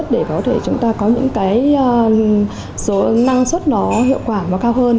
để có thể chúng ta có những cái năng suất nó hiệu quả và cao hơn